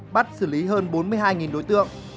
bắt xử lý hơn bốn mươi hai đối tượng